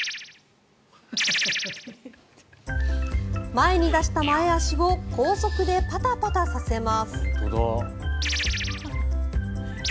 前に出した前足を高速でパタパタさせます。